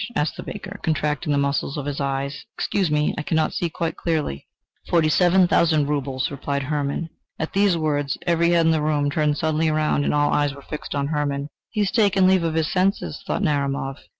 asked the banker, contracting the muscles of his eyes; "excuse me, I cannot see quite clearly." "Forty seven thousand rubles," replied Hermann. At these words every head in the room turned suddenly round, and all eyes were fixed upon Hermann. "He has taken leave of his senses!" thought Narumov.